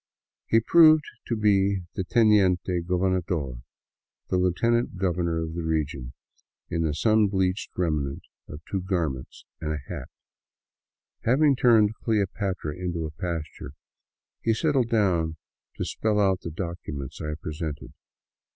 He proved to be the teniente gobernador, the lieutenant governor of the region, in the sun bleached remnants of two garments and a hat. Having turned " Cleopatra " into a pasture, he settled down to spell out the documents I presented.